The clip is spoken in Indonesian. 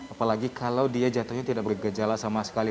apalagi kalau dia jatuhnya tidak bergejala sama sekali